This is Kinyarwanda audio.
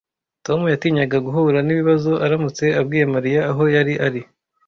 Tom yatinyaga guhura nibibazo aramutse abwiye Mariya aho yari ari